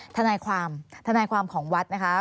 ทนายความทนายความของวัดนะคะ